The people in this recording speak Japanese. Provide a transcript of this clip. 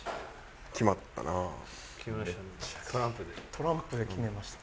トランプで決めました。